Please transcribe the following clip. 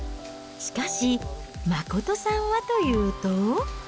しかし、真さんはというと。